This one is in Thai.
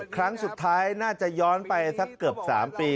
ครั้งสุดท้ายน่าจะย้อนไปสักเกือบ๓ปี